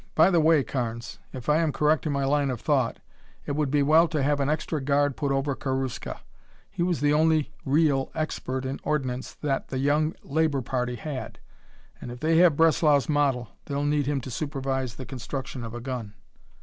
By the way, Carnes, if I am correct in my line of thought, it would be well to have an extra guard put over Karuska. He was the only real expert in ordnance that the Young Labor party had, and if they have Breslau's model they'll need him to supervise the construction of a gun."